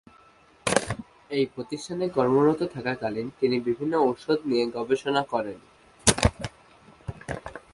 এই প্রতিষ্ঠানে কর্মরত থাকাকালীন তিনি বিভিন্ন ঔষধ নিয়ে গবেষণা করেন।